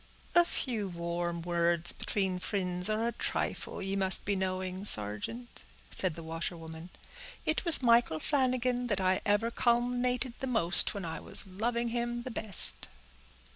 "A few warm words between fri'nds are a trifle, ye must be knowing, sargeant," said the washerwoman. "It was Michael Flanagan that I ever calumn'ated the most when I was loving him the best."